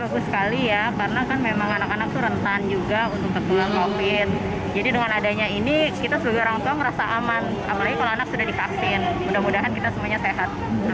jadi dengan adanya ini kita sebagai orang tua merasa aman apalagi kalau anak sudah divaksin mudah mudahan kita semuanya sehat